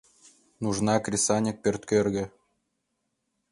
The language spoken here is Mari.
Нужна кресаньык пӧрткӧргӧ.